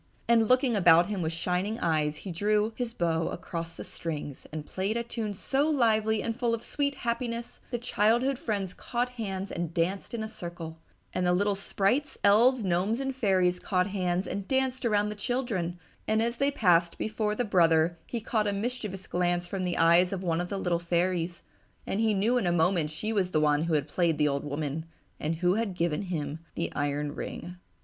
And, looking about him with shining eyes, he again drew his bow across the strings and played a tune so lively and full of sweet happiness the childhood friends caught hands and danced in a circle, and the little sprites, elves, gnomes and fairies caught hands and danced around the children, and as they passed before the brother he caught a mischievous glance from the eyes of one of the little fairies, and he knew in a moment she was the one who had played the old woman, and who had given him the iron ring....